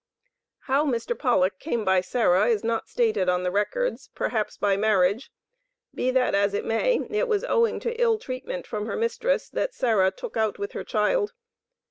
How Mr. Pollock came by Sarah is not stated on the records; perhaps by marriage; be that as it may, it was owing to ill treatment from her mistress that Sarah "took out" with her child.